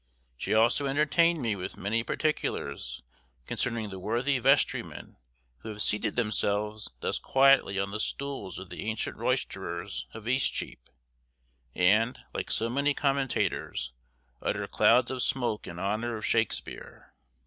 She also entertained me with many particulars concerning the worthy vestrymen who have seated themselves thus quietly on the stools of the ancient roisterers of Eastcheap, and, like so many commentators, utter clouds of smoke in honor of Shakespeare.